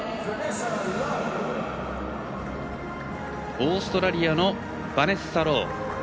オーストラリアのバネッサ・ロー。